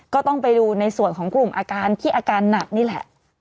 ก็ต้องไปดูในส่วนของกลุ่มอาการที่อาการหนักนี่แหละ